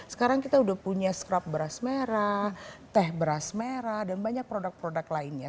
sekarang kita sudah punya scrup beras merah teh beras merah dan banyak produk produk lainnya